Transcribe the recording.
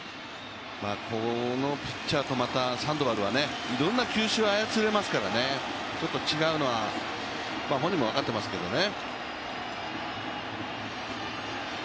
サンドバルはいろんな球種を操れますからねちょっと違うのは本人も分かってますけどね。